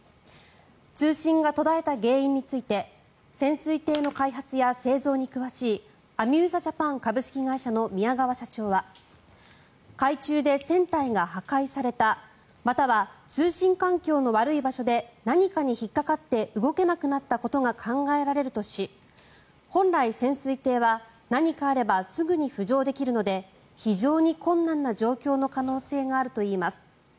通信が途絶えた原因について潜水艇の開発や製造に詳しいアミューザジャパン株式会社の宮川社長は海中で船体が破壊されたまたは通信環境の悪い場所で何かに引っかかって動けなくなったことが考えられるとし本来、潜水艇は何かあればすぐに浮上できるので非常に困難な状況の可能性があるといいます。